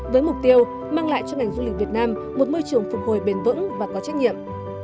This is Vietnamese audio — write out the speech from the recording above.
với mục tiêu mang lại cho ngành du lịch việt nam một môi trường phục hồi bền vững và có trách nhiệm